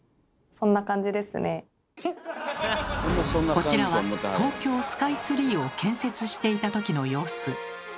こちらは東京スカイツリーを建設していた時の様子。